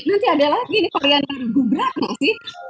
nanti ada lagi ini karyawan dari gubraknya sih